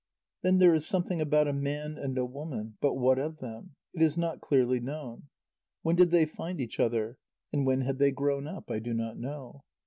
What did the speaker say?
Then there is something about a man and a woman, but what of them? It is not clearly known. When did they find each other, and when had they grown up? I do not know.